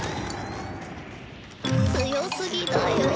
強すぎだよ。